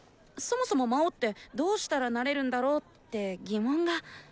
そもそも魔王ってどうしたらなれるんだろうって疑問が。